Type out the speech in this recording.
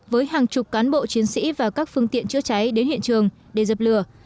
với hàng chục cán bộ chiến sĩ và các phương tiện chữa cháy đến hiện trường để dập lửa